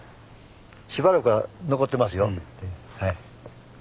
しばらくは残ってますよ。